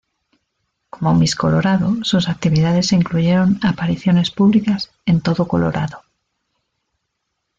Como Miss Colorado sus actividades incluyeron apariciones públicas en todo Colorado.